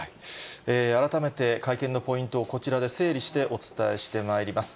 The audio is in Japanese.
改めて、会見のポイント、こちらで整理してお伝えしてまいります。